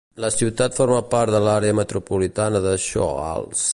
La ciutat forma part de l'àrea metropolitana de Shoals.